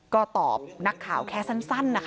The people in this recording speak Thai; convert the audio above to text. ก็ตอบนักข่าวแค่สั้นนะคะ